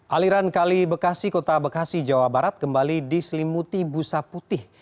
aliran kali bekasi kota bekasi jawa barat kembali diselimuti busa putih